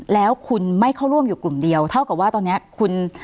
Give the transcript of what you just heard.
แล้วคุณไม่เข้าร่วมอยู่กลุ่มเดียวเท่ากับว่าตอนนี้คุณ